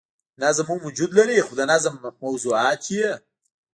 نظم هم وجود لري خو د نظم موضوعات ئې